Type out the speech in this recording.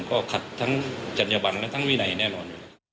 ก็ขัดทั้งจัญญบันและทั้งวินัยแน่นอน